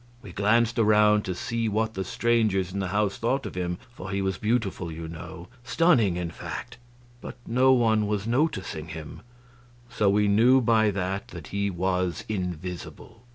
We glanced around to see what the strangers in the house thought of him, for he was beautiful, you know stunning, in fact but no one was noticing him; so we knew by that that he was invisible.